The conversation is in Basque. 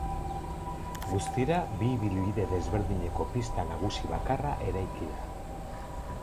Guztira bi ibilbide desberdineko pista nagusi bakarra eraiki da.